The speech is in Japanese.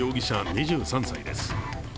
２３歳です。